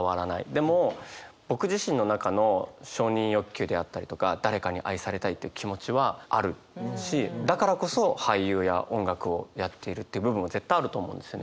でも僕自身の中の承認欲求であったりとか誰かに愛されたいっていう気持ちはあるしだからこそ俳優や音楽をやっているっていう部分も絶対あると思うんですよね。